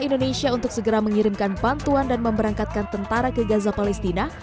indonesia untuk segera mengirimkan bantuan dan memberangkatkan tentara ke gaza palestina